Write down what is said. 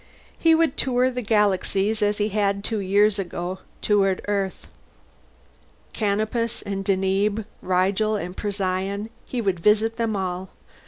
He would tour the galaxies as he had two years ago toured Earth. Canopus and Deneb, Rigel and Procyon, he would visit them all.